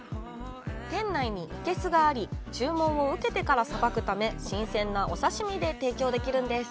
店内に生けすがあり、注文を受けてからさばくため、新鮮なお刺身で提供できるんです。